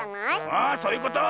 あそういうこと！